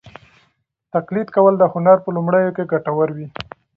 تقلید کول د هنر په لومړیو کې ګټور وي.